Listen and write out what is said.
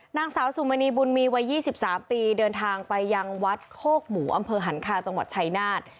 นางสาวสุมณีบุญมีวัย๒๓ปีเดินทางไปยังวัดโคกหมูอำเภอหันคาจังหวัดชายนาฏ